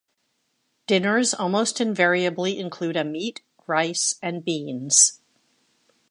Dinners almost invariably include a meat, rice and beans.